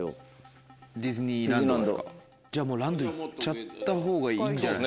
じゃあもうランド行っちゃったほうがいいんじゃないですか。